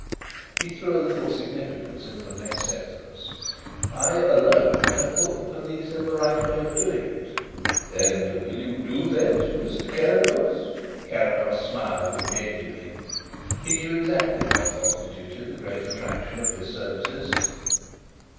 He threw a little significance into the next sentence. "I alone can put the police in the right way of doing it." "And you will do that, Mr. Carrados?" Carrados smiled engagingly. He knew exactly what constituted the great attraction of his services.